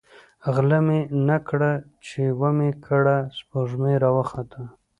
ـ غله مې نه کړه ،چې ومې کړه سپوږمۍ راوخته.